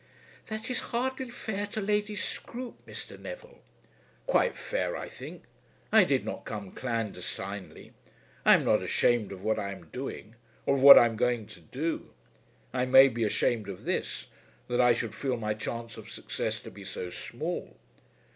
"That is hardly fair to Lady Scroope, Mr. Neville." "Quite fair, I think. I did not come clandestinely. I am not ashamed of what I am doing, or of what I am going to do. I may be ashamed of this, that I should feel my chance of success to be so small.